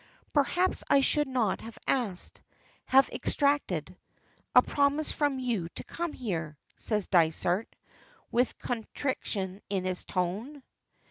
"Perhaps I should not have asked have extracted a promise from you to come here," says Dysart, with contrition in his tone.